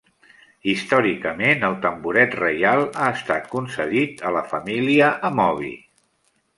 Històricament el tamboret reial ha estat concedit a la família Amobi.